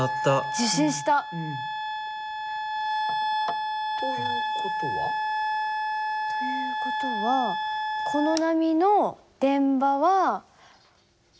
受信した。という事は？という事はこの波の電場は。